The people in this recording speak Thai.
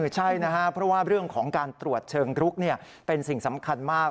ใช่นะครับเพราะว่าเรื่องของการตรวจเชิงรุกเป็นสิ่งสำคัญมาก